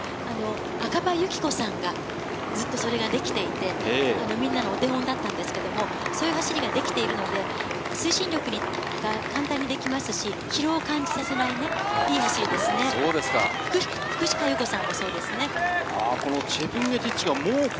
赤羽有紀子さんがずっとそれができていて、みんなのお手本だったんですけど、そういう走りができているので、推進力が簡単にでますし、疲労を感じさせません。